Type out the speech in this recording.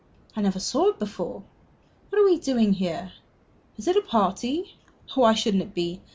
I never saw it before. What are we doing here? Is it a party? Why shouldn't it be?